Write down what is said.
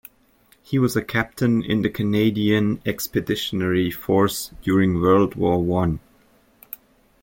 He was a captain in the Canadian Expeditionary Force during World War One.